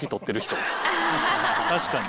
確かに。